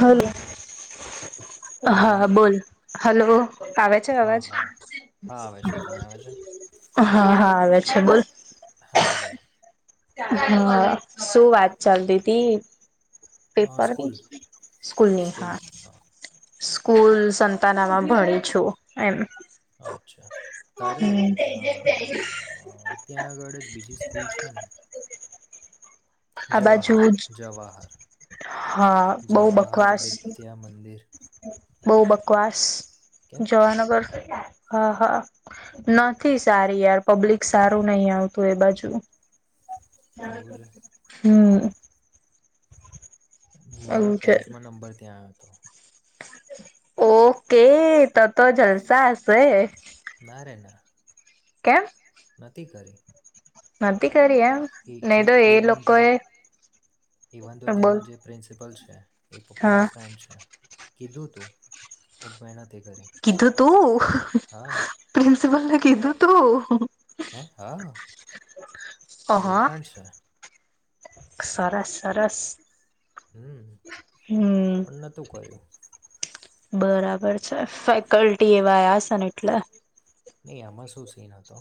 Hello, hello હા બોલ. Hello આવે છે હા અવાજ? હા હા આવે છે તને આવે છે હા-હા. આવે છે બોલ. હા બોલ [unintelligible] હા. શું વાત ચાલતી તી? અ, પેપરની, સ્કૂલ સ્કૂલની સ્કૂલ હા. હા સ્કૂલ સંતાનામાં ભણી છું એમ. અચ્છા ત્યારે હમ ત્યાં આગળ જ બીજી સ્કૂલ છે ને. આ બાજુ જવાહર જ જવાહર હા બહુ જવાહર વિદ્યા મંદિર. બહ બ. ક્વાસ કેમ જવાનગર. હા હા નથી સારી યાર પબ્લિક સારું નહિ આવતું એ બાજુ. એવું છે હમ. મારો એવું છે ટેન્થમાં નંબર ત્યાં. તો. ઓકે ત તો જલસા હશે. ના ક્યા. નથીતીી કરે. નથીંત. વન તો ઇવન તો બોલ તેનો જે પ્રિન્સિપલ છે. એ પપ્પાના હા ફ્રે્રેન્ડ છે. કીધું તોું પણ મહેનત. કીધું તું પ્રિન્સિપલને કીધું. તો. હે હા તો હા ઓળખાંણ છે. સરસ સરસ. હમ હમ પણ નતું કર્યું. બરાબર છે ફેકલ્ટી એવા આવ છે ને એટલે. નહી આમાં શું સી ન હતો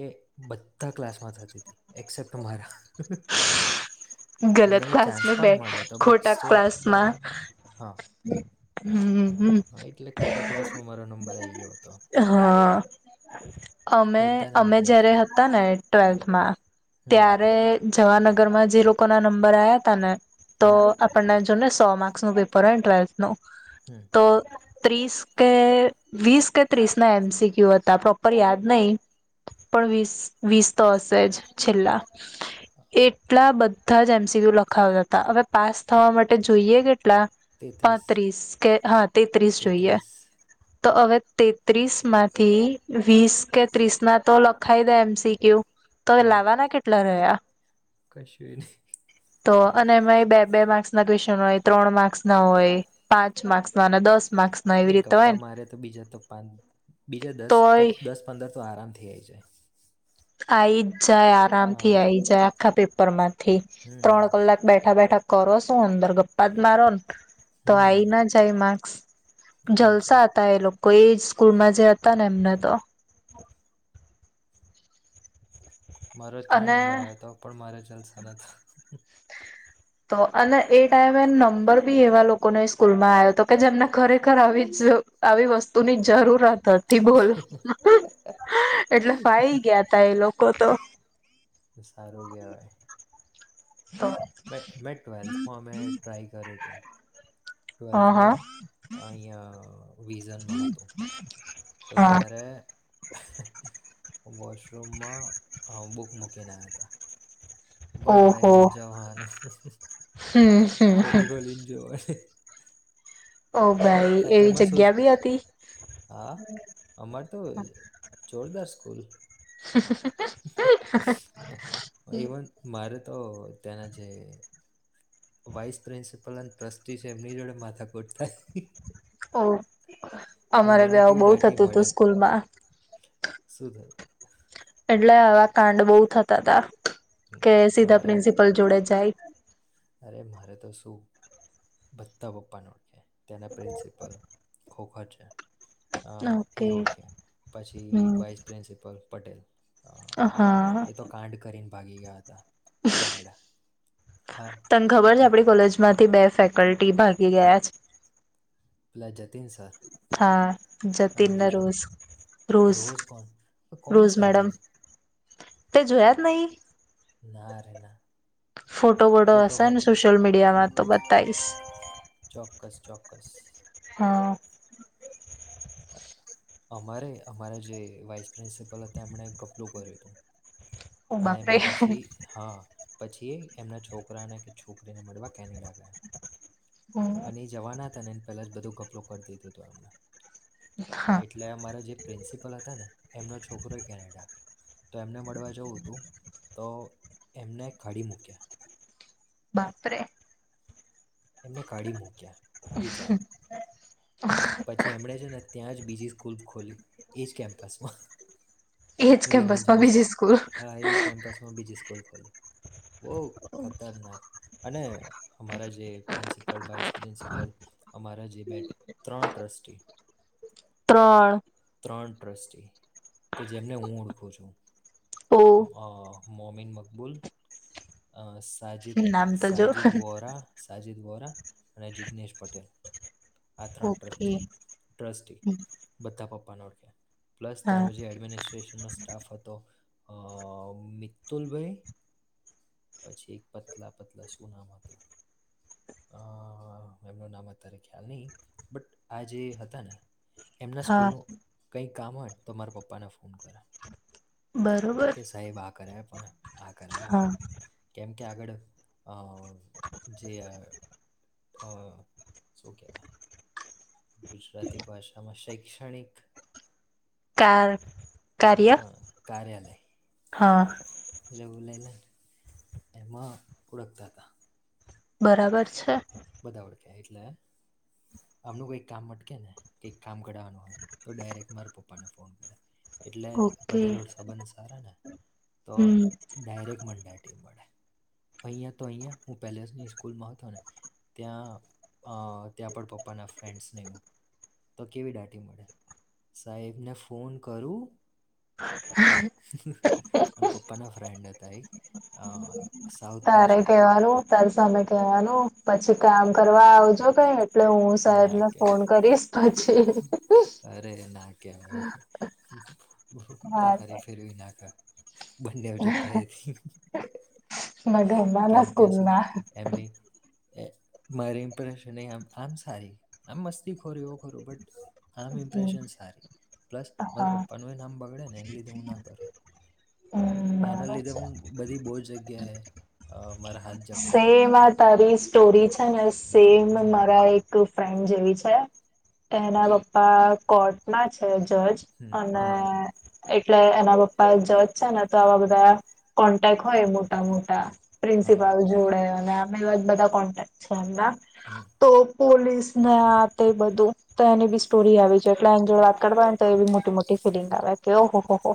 કે બધા ક્લાસમાં થતી હતી એક્સેપ્ટ મારા. અને ગલત મને ચાન્સ ક્લાસમાં બે પણ મળ્યો હતો બટ ખોટા સ્ટીલ ક્લાસમાં. હા હમ. હમ હા, એટલે ખોટા ક્લાસમાં મારો નંબર આવી ગયો હતો હા અમે બધા નામ અમે થઈ જયારે હતી હતા ને. ટ્વેલ્થમાં. હમ ત્યારે જવાનગર. ઘરમાં જે લોકો. કોના નંબર આ્યા તને. તો હમ આપણને. ને સો માર્ક્સનું પેપર હો ટ્વેલ્થ નું. હમ તો. ત્રીસ કે વીસ કે ત્રીસ ના એમસીક્યુ હતા પ્રોપર યાદ નહીિ પણ વીસ વીસ તો હશે જ છેલ્લા એટલા બધ. બ તો જ એમસીયુ લખાવતા હતા હવે પાસ થવા માટે જોઈએ કેટલા. તેત્રીસ પાત્રીસ કે. હા. તેત્રીસ જોોઈએ. તો હવે તેત્રીસ માંથી વીસ કે ત્રીસ ના તો લખાઈ દે એમસીક્યુ. તો હા લાવવાના કેટલા રહ્યા. કશું નહી અરે તો અને એમાં બે બે માર્ક્સ. ્ હોય ત્રણ માર્ક્સ ના હોય પાંચ માર્ક્સમાં દસ. માર્ક્સ ના અરે એવી રીતે હોય ગપ્પા ને મારે તો બીજા તો પા બીજા દસ તો તોય દસ પંદર તો આરામ થ જાય જાય. આ. જાય આરામથી હા આઈ જાય. હા પેપરમાંટ. થી ત્રણ હમ કલાક બેઠા બેઠા. કરો શું અંદર ગપ્પા જ મારો ને. તો હમ આઈ ના જાય માં. [inaudible] એ છે જલસા આતા એ લોકો એ. કુર્ના જે હતા ને એમને તો. મારો ત્યાં અને નંબર આવ્યો હતો પણ મારે જલસા ન. તો અને એ ટાઈમે નંબર બી એવા લોકોને સ્કૂલમાં આવ્યો હતો કે જેમને ખરેખર આવી જ આવી વસ્તુની જરૂરત હતી. થી બોલ એટલે ફાઈ ગયા તા એ લોકો. કતો. તો સારું કહેવાય. હ મે મે ટ્વેલ્થમાં અમે ટ્રાય કર્યું હતું. હા ટ્વેલ્થમાં અહીંયા વિઝનમાં હતું તો હા ત્યારે. વોશરૂમમાં બુક મૂકી રહ્યા હતા. વન ભાય ઓહો વન જવાનું હમ હમ હમ ખોલી ખોલીને જોવ. ઓ ભાઈ બટ એવી એમાં શું જગ્યા બી હતી હા અમારે તો જોરદાર. કલ. છે છે છે. ઇવન ભારત. તો તેના જે વાઇસ પ્રિન્સિપલ અને ટ્રસ્ટી છે એમની જોડે માથાકૂટ થાય. હા. અને અમારા મને બે્યાવ કેવી બહુ થતું હતું સ્કૂલ માં સુધર. એટલે આવા કાંડ બહુ થતા તા કે સીધા મારે પ્રિન્સિપલ જોડે જાય. અરે મારે તો શું બધધા પપ્પાને ઓળખે. તેના પ્રિન્સિપલ ખો ખો [unintelligible] અ ઓકે એ ઓળખે પછી વાઇસ હમ પ્રિન્સિપલ પટેલ. અ હા. એ તો કાંડ કરીને ભાગી ગયા હતા. કેનેડા. હા તને ખબર છે એ આપડી કોલેજ માંથી બે ફેક કલટી ભાગી ગયા છે. આપલા જતીન સર સર હા જતીન અને ના બીજો રોઝ રોઝ કોણ રોઝ છે મેડમ. તે જોુયાત નહી? ના રે ના ફોટો વોડો ફોટો હોય હસને તો સોશિયલ મીડિયામાં તો બતાઈશ. ચોક્કસ ચોક્કસ. હા. અમારે અમારા જે વાઇસ પ્રિન્સિપલ હતા એમણે કપલું કર્યું હતું. ઓ અને બાપરે એમને પછી હા પછી એમના છોકરાને કે છોકરીને મળવા કેનેડા ગયા અને જવાના તને પેલા જ બધું કફલો કરી દીધું હતું એમને હા એટલે અમારા જે પ્રિન્સિપલ હતા ને એમનો છોકરોય કેનેડા તો એમને મળવા જવું. તો એમને ખડી મૂક્યા બાપરે. એમને કાઢી મૂક્યા. વિચાર પછી એમણે છે ને ત્યાં જ બીજી કુલ્પ ખોલી એ જ કેમ્પસમાં એજ કેમ્પસમાં રવેજમાં બીજી સ્કૂલ હા એજ કેમ્પસમાં બીજી સ્કૂલ ખોલી. બહુ ખતરનાક. અને અમારા જે. પ્રિન્સિપલ વાઇસ પ્રિન્સિપલ અમારા જે બે ત્રણ ટ્રસ્ટી. ત્રણ. ત્રણ ટ્રસ્ટી કે જેમને હું ઓળખું છું. ઓ હ. મોમિન મકબૂલ. સાજદ નામ તો જો સાજિદ વોરા સાજદ. અજીત વોરા અને જિગ્નેશ પટેલ. આ ત્રણ ટ્રક ઓકે છે ટ્રસ્ટ બધા પપ્પાનો. પ્લસ હા તનું જે એડમિનિસ્ટ્ર્રેેશન. સ્ટાફ હતો અ મિત્તુલભાઈ પછી પતલા પતલા શું નામ હતું અઅ એમનું નામ અત્યારે એમ નહી બટ આ જે હતા ને એમના હા સ્કૂલનું કંઈક કામ હોય ને તો તમારા પપ્પાને ફોન કરા. બરોબર કે સાહેબ આ કરે. હા. કેમકે આગળ અહ જે અહ શું કહેવાય ગુજરાતી ભાષામાં શૈક્ષણિક. કાર. કાર્ય હા કાર્ય હા. લેવું લઈ લને એમાં ઓળખતા હતા. બરાબર છે. બધા ઓળખ્યા એટલે આમનું કંઈક કામ અટકે ને કંઈક કામ કરાવવાનું હોય તો ડાયરેક્ટ મારા પપ્પાને ફોન કરે. એટલે ઓકે બધા જોડે સંબંધ સારા ને. તો હમ ડાયરેક્ટ મંડાય અહીંયા તો અહીંયા હું પેલા જેની સ્કૂલમાં હતો ને ત્યાં અહ ત્યાં પણ પપ્પાના ફ્રેન્ડ્સનેું તો કેવી દાટી મળે સાહેબને ફોન કરું અને પપ્પાના ફ્રેન્ડ હતા એક અહ તારે કેવાનું તાર સામે કેવાનું પછી કામ કરવા આવજો કઈ. એટલે હું ના સાહેબને ફોન કહેવાય કરીશ પછી [unintelligible] ક [inaudible] હા પથારી ફેરવી ના બંને જગ્યા એથી મધ અબા ના સ્કૂલ ના. એમની એ મારી ઇમ્પ્રેશન આમ સારી આમ મસ્તી ખોરી એવું ખોરું બટ આમ ઇમ્પ્રેશન સારી પ્લસ મારા હા પપ્પાનું એ ના આમ બગડે ને એને લીધે હું ના કરું. હમ એના બરાબર લીધે છે હું બધી બહુ જ જગ્યાએ અહ મારા હાથ. જકડેલા સેમ આ તારીસ સ્ટોરી છે ને તેમ હમ મારા એક. ફ્રેન્ડ જેવી છે એના પપ્પા કોર્ટ માં છે. જજ હમ અને. હમ એટલે એના પપ્પા જજ છે ને તો આવા બધા કોન્ટેક હોય મોટા મોટા. હા પ્રિન્સિપાલ. અને અમએવા જ બધા કોન્ટેક્ટ છે એમના હમ તો. પોલીસને તે બધું તો એની બી સ્ટોરી આવી છે એટલે એની જો વાત કરવાય ને તો એ બી મોટી મોટી ફિલિંગ આવે કે ઓહો હો હો.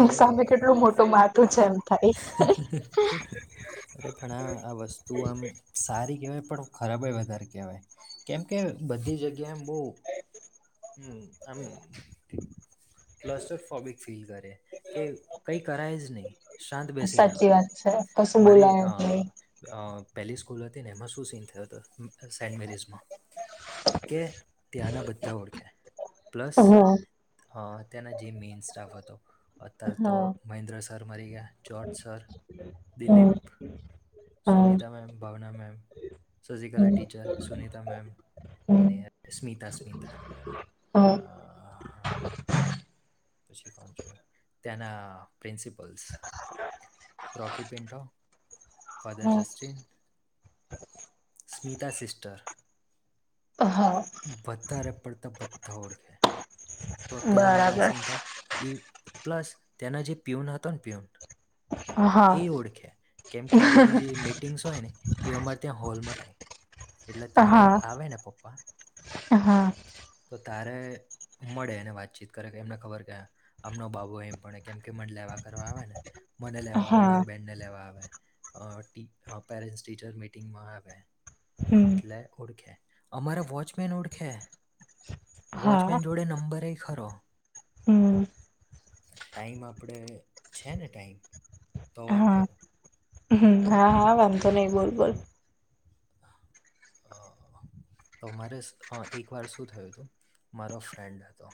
અરે સામે કેટલું મોટું માથું છે એમ થાય. અરે પણ આ આ વસ્તુ આમ સારી કેહેવાય. ખરાબ વધારે કહેવાય કેમ કે બધી જગ્યા. ગેમ બહ આમ. ક્લસ્ટર ફોબિક ફીલ કરે. કે કઈ કરાય જ નહી શાંત બેસી સાચી રહેવાનું વાત છે કશું મારે બોલાય જ આ. નહી. પહેલી સ્કૂલ હતી ને એમાં શું સઇન થયો હતો સેન્ટ મેરીિઝમાં. કે ત્યાંના બધા ઓળખે પ્લસ. હા હા. ત્યાંના જે મેઈન સ્ટાફ હતો. તો મહેન્દ્ર. સર મળરી ગ. જજ સર હમ્મ. દિલીપ હા. હમ્મ. સુનતા મેમ ભાવના મેમ સસિકલે ટીચર સુનતા મેમ હમ્મ. સ્મિતા સ્મિતા. અ, હા. પછી કોણ છ ત્યાના. પ્રિન્સિપલ્સ રોકી પિન્ટો ફાદર હા. જસ્ટીન સ. સ્મિતા સિસ્ટર. હા વધારે પડતા બધા ઓળખે તો ત્યાં મારા. બરાબર. ત થાય એ. પ્લસ તેના જે પીઉન હતો ને પીઉન. હા હા એ ઓળખ્યા કેમકે આ બધી જે મીટિંગ્સ હોય ને એ અમારે ત્યાં હોલમાં થાય. એટલે તારે આવે ને પપ્પા. હા. તો તારે મળે અને વાતચીત કરે એમને ખબર કે આમનો બાબુ એમ પડે કેમ કે મને લેવા કરવા આવે ને. મને લેવા આવે હા મારી બેનને લેવા આવે. ટ પેરેન્ટ્સ ટીચર મીટિંગમાં આવે્યા. હમ્મ. એટલે ઓળખ્યા. અમારા વોચમેન ઓળખે. હા વોચમેન જોડે નંબર એ ખરો. હમ્મ ટાઈમ આપડે છે ને ટાઈમ તો વાત કરું. હમ હા હા વાંધો નહીિ બોલ બોલ. તો મારે એક વાર શું થયું હતું મારો ફ્રેન્ડ હતો.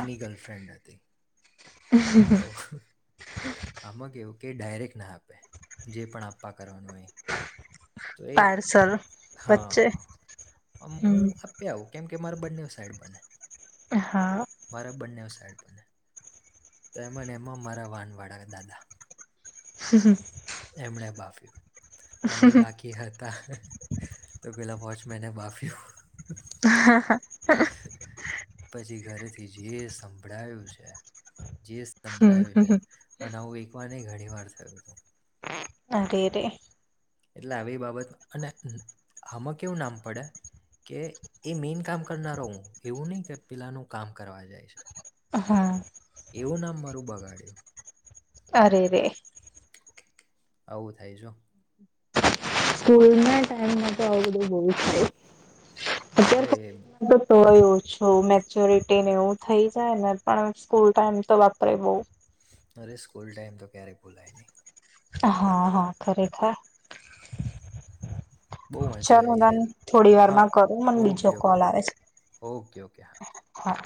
એની ગર્લફ્રેન્ડ હતી. તે. હ હા. આમાં કે એવું કે ડાયરેક ના આપે જે પણ આપવા કરવાનું અહી. તો એ પાર્સલ હા વચ્ચે હું હમ આપ્યા આવું કેમ. કે મારે બંને સાઈડ બને. હા. મા બંને સાઈડ તો એમ એમાં મારા વાન વાળા દાદા. હમ હ. તેમમણે બાફી. અને બાકી હતા. તો ગિલા પહચ મેને માફી હ. હા હા. પછી ઘરેથી જે સંભળાયું છે જે. સંભળાયું હમ છે અને હું એક. ઘણી વાર થયું હતું. અગે ર. એટલે આવી બાબત અને આમાં કેવું નામ પડે કે એ મેન કામ કરનારો હું એવું નહીિ કે પેલાનું કામ કરવા જાય છે. હા એવું નામ મારું બગાડ્યું. અરે રે. આવું થાય છેું. સ્કૂલ ના ટાઈમમાં તો આવું બધું બોલું થાય. અ અરે બહુ તો સ હો. જો મેચ્યોરિટી ને એવું થઈ જાય ને પણ સ્કૂલ ટાઈમ તો વાપરે બઉ. અરે સ્કૂલ ટાઈમ તો ક્યારેય ભૂલાય નહી. હા હા ખરીખાય. બહુ મજા ચાલું આવી તન હતી થોડી વાર હા માં કરું મને બીજો ઓકે ઓકે કોલ આવે છે. ઓકે ઓકે હા હા હાં.